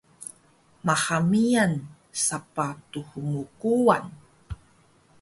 Maha miyan sapah thmkuwan